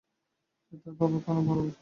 সে তার বাবাকে অনেক ভালবাসে।